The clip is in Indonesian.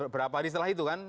berapa hari setelah itu kan